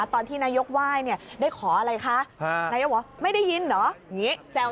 ตอนที่นายกไหว้เนี่ยได้ขออะไรคะนายกบอกไม่ได้ยินเหรอ